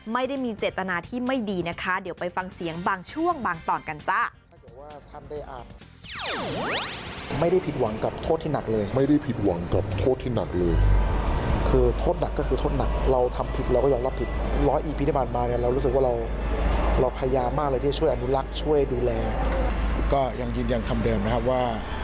ไม่ได้มีเจตนาที่ไม่ดีนะคะเดี๋ยวไปฟังเสียงบางช่วงบางตอนกันจ้า